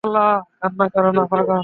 কান্না করো না, পাগল।